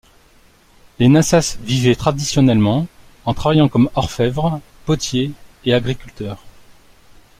Les Nasas vivaient traditionnellement en travaillant comme orfèvres, potiers et agriculteurs.